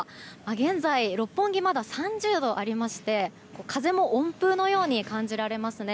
現在、六本木まだ３０度ありまして風も温風のように感じられますね。